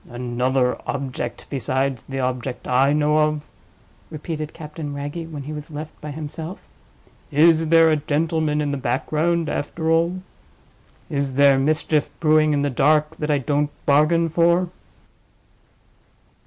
"Another object besides the object I know of?" repeated Captain Wragge, when he was left by himself. "Is there a gentleman in the background, after all? Is there mischief brewing in the dark that I don't bargain for?"